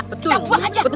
kita buang aja